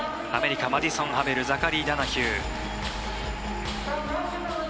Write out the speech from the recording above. アメリカ、マディソン・ハベルザカリー・ダナヒュー。